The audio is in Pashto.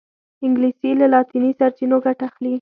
انګلیسي له لاطیني سرچینو ګټه اخلي